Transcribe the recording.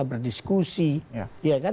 berdiskusi ya kan